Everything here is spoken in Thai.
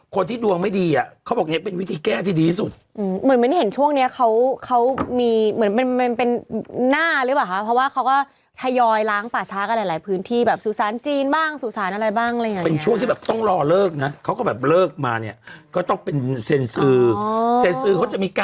คนที่ดวงไม่ดีอ่ะเขาบอกเนี่ยเป็นวิธีแก้ที่ดีสุดเหมือนมันเห็นช่วงนี้เขามีเหมือนเป็นหน้าหรือเปล่าคะเพราะว่าเขาก็ทยอยล้างปัชฌากันหลายพื้นที่แบบสุสานจีนบ้างสุสานอะไรบ้างอะไรอย่างเงี้ย